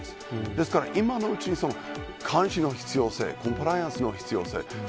ですから、今のうちに監視の必要性コンプライアンスの必要性